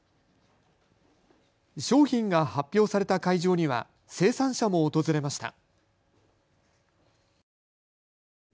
商品が発表された会場には生産者も訪れました。